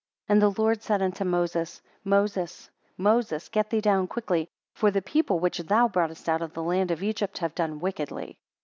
14 And the Lord said unto Moses; Moses, Moses, get thee down quickly, for the people which thou broughtest out of the land of Egypt have done wickedly.